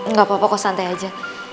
nggak apa apa kok santai aja